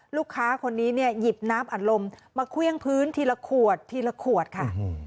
ลูกค้าคนนี้เนี่ยหยิบน้ำอัดลมมาเครื่องพื้นทีละขวดทีละขวดค่ะ